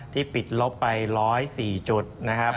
ที่ปิดลบไป๑๐๔จุดนะครับ